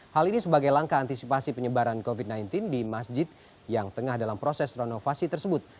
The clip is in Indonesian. hal ini sebagai langkah antisipasi penyebaran covid sembilan belas di masjid yang tengah dalam proses renovasi tersebut